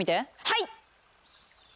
はい！